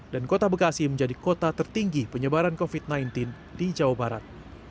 kota bekasi menjadi kota tertinggi penyebaran covid sembilan belas di jawa barat